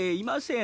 ん？